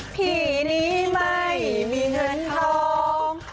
พี่นี้ไม่มีเงินทอง